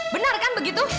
benar kan begitu